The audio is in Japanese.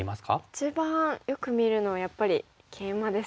一番よく見るのはやっぱりケイマですか。